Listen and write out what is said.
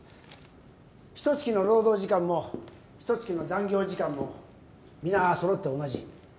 ひと月の労働時間もひと月の残業時間も皆揃って同じ